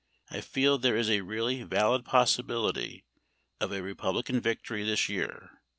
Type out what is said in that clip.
I feel there is a really valid possibility of a Republican victory this year.